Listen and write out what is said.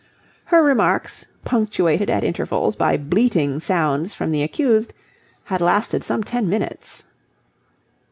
Her remarks, punctuated at intervals by bleating sounds from the accused, had lasted some ten minutes.